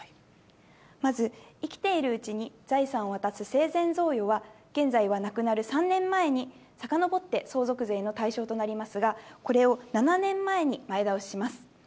まず、生きているうちに財産を渡す生前贈与は現在は亡くなる３年前にさかのぼって相続税の対象となりますが、これを７年前に前倒しします。